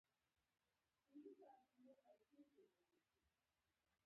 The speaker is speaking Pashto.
داسې ښکارېدل چې پخوا به د دې غونډۍ پر ځاى کومه کلا ولاړه وه.